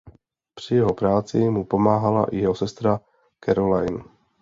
Při jeho práci mu pomáhala i jeho sestra Caroline.